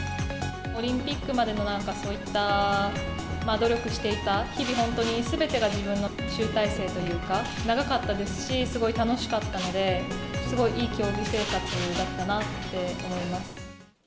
オリンピックまでのなんかそういった努力していた日々、本当にすべてが自分の集大成というか、長かったですし、すごい楽しかったので、すごいいい競技生活だったなって思います。